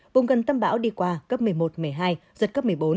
vùng gần tâm bão đi qua cấp một mươi một một mươi hai giật cấp một mươi bốn